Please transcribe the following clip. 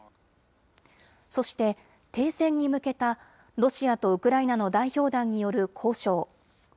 そして停戦に向けたロシアとウクライナの代表団による交渉。